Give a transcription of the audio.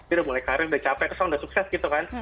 dia udah mulai karir udah capek terus orang udah sukses gitu kan